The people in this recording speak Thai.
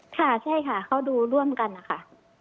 ค่ะใช่ค่ะเขาดูร่วมกันนะคะ